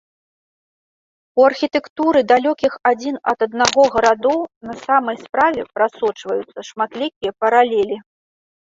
У архітэктуры далёкіх адзін ад аднаго гарадоў на самай справе прасочваюцца шматлікія паралелі.